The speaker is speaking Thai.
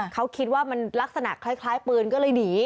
เขาคิดว่ามันลักษณะคล้ายปืนก็เลยหนี